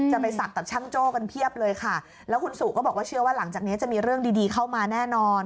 จะไปศักดิ์กับช่างโจ้กันเพียบเลยค่ะแล้วคุณสุก็บอกว่าเชื่อว่าหลังจากนี้จะมีเรื่องดีดีเข้ามาแน่นอน